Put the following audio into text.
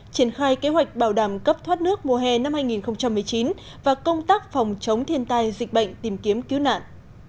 triển khai kế hoạch bảo đảm cấp thoát nước mùa hè năm hai nghìn một mươi chín và công tác phòng chống thiên tai dịch bệnh tìm kiếm cứu nạn